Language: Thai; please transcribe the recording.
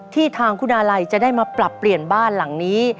ที่ทางคุณอาลัยจะได้มาปรับเปลี่ยนบ้านหลังนี้